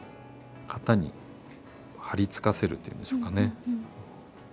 型に貼り付かせるっていうんでしょうかね。